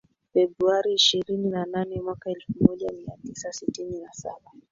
Februari ishirini na nane mwaka elfumoja miatisa sitini na Saba